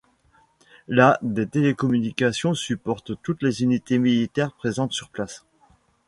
La des télécommunications supporte toutes les unités militaires présentes sur place.